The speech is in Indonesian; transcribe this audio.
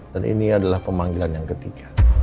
dan ini adalah pemanggilan yang ketiga